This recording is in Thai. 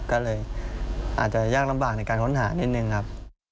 ก็เลยอาจจะยากลำบากในการค้นหานิดนึงครับ